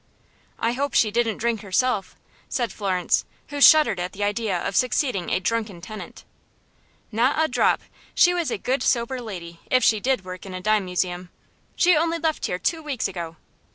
"I hope she didn't drink herself," said Florence, who shuddered at the idea of succeeding a drunken tenant. "Not a drop. She was a good, sober lady, if she did work in a dime museum. She only left here two weeks ago.